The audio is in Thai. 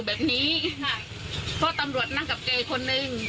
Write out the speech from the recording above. แค่มีกรอบรูปเนี้ย